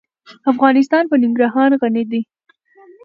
افغانستان په ننګرهار غني دی.